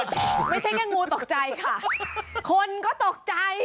ไม่ใช่แค่งูตกใจค่ะคนก็ตกใจ